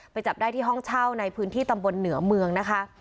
จับได้ที่ห้องเช่าในพื้นที่ตำบลเหนือเมืองนะคะ